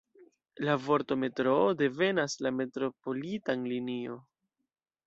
La vorto "Metroo" devenas la Metropolitan-Linio.